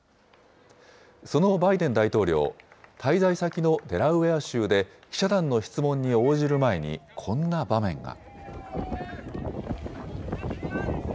そのバイデン大統領、滞在先のデラウェア州で、記者団の質問に応じる前に、こんな場面が。